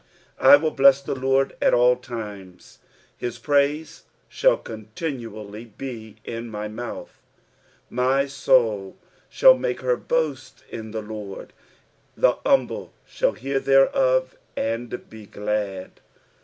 I WILL bless the LORD at all times : his praise fi^n// continually bf in my mouth. 2 My soul shall make her boast in the Lord : the humble shall bear thereof, and be glad.